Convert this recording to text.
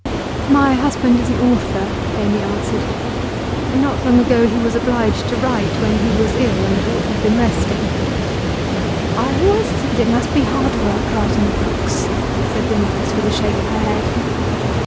'My husband is an author,' Amy answered. 'Not long ago he was obliged to write when he was ill and ought to have been resting.' 'I always thought it must be hard work writing books,' said the nurse with a shake of her head.